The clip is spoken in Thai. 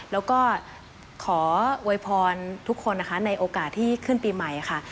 แล้วก็ขอโวยพรทุกคนนะคะในโอกาสที่ขึ้นปีใหม่ค่ะ